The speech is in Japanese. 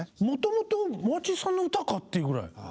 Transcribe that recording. もともとマーチンさんの歌かっていうぐらい。